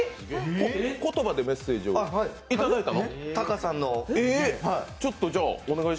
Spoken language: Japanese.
言葉でメッセージをいただいたの？